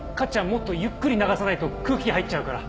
もっとゆっくり流さないと空気入っちゃうから。